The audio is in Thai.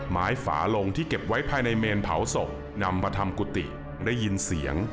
มายฝาโลงที่เก็บไว้ภายในเมนเผาศกนำพระธรรมกุฏิได้ยินเสียง